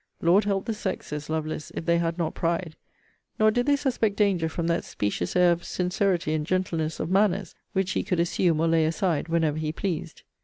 Lord help the sex, says Lovelace, if they had not pride! Nor did they suspect danger from that specious air of sincerity, and gentleness of manners, which he could assume or lay aside whenever he pleased.